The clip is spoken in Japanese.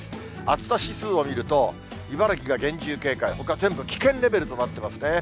暑さ指数を見ると、茨城が厳重警戒、ほか全部危険レベルとなってますね。